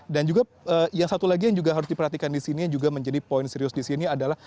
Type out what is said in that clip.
dan juga yang satu lagi yang juga harus diperhatikan di sini juga menjadi poin serius di sini adalah